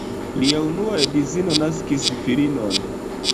Lia unua edzino naskis filinon.